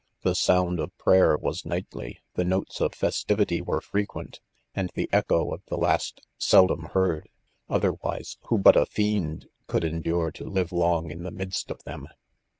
The sound of prayer was nightly? the notes of festivity were frequent, and the echo of the last seldom heard ; otherwise, who but a fiend could en dure to live long in the midst of them